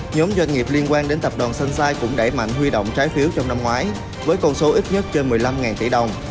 nhóm doanh nghiệp liên quan đến tập đoàn sunshine cũng đẩy mạnh huy động trái phiếu trong năm ngoái với con số ít nhất trên một mươi năm tỷ đồng